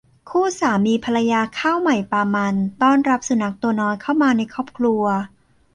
คู่สามีภรรยาข้าวใหม่ปลามันต้อนรับสุนัขตัวน้อยเข้ามาในครอบครัว